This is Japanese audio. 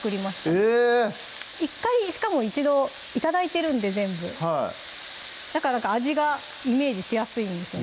えぇ１回しかも一度頂いてるんで全部だからか味がイメージしやすいんですよね